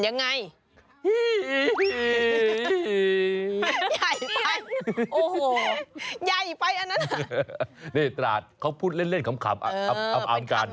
นี่ตราดเขาพูดเล่นขำอ่ามกัน